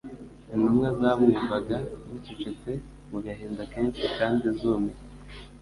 Intumwa zamwumvaga zicecetse mu gahinda kenshi kandi zumiwe.